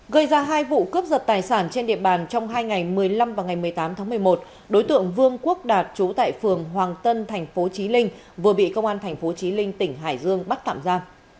gây ra hai vụ cướp giật tài sản trên địa bàn trong hai ngày một mươi năm và ngày một mươi tám tháng một mươi một đối tượng vương quốc đạt trú tại phường hoàng tân tp chí linh vừa bị công an tp chí linh tỉnh hải dương bắt tạm ra